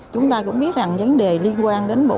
chúng ta cũng biết rằng vấn đề liên quan đến bộ